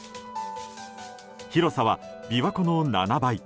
広さは琵琶湖の７倍。